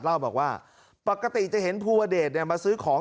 เล่าบอกว่าปกติจะเห็นภูวเดชมาซื้อของ